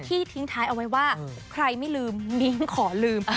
ทิ้งท้ายเอาไว้ว่าใครไม่ลืมมิ้งขอลืม